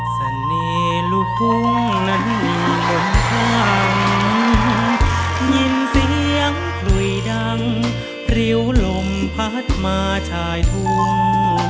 สนีรุ่งทุ่งนั้นอย่างลงทางยินเสียงคุยดังริวลมพัดมาชายทุ่ง